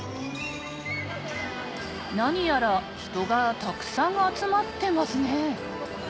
何やら人がたくさん集まってますね